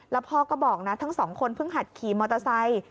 แล้วพ่อก็บอกนะทั้งสองคนเพิ่งหัดขี่มอเตอร์ไซค์